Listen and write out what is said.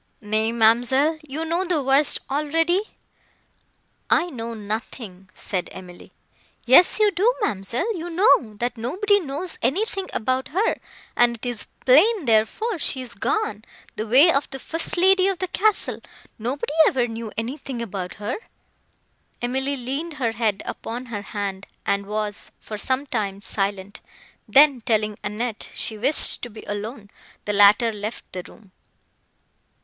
"Nay, ma'amselle, you know the worst already." "I know nothing," said Emily. "Yes, you do, ma'amselle; you know, that nobody knows anything about her; and it is plain, therefore, she is gone, the way of the first lady of the castle—nobody ever knew anything about her." Emily leaned her head upon her hand, and was, for some time, silent; then, telling Annette she wished to be alone, the latter left the room.